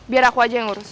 biar aku aja yang urus